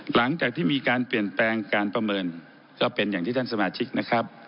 หลังจากที่มีการเปลี่ยนแปลงการประเมินก็เป็นอย่างที่ท่านสมาชิกนะครับ